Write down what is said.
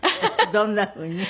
どんなふうに？